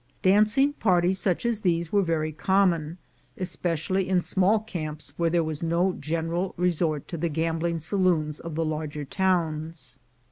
Dancing parties such as these were very common, especially in small camps where there was no such general resort as the gambling saloons of the larger towns.